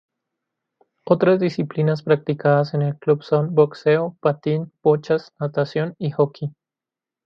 Otras disciplinas practicadas en el club son boxeo, patín, bochas, natación y hockey.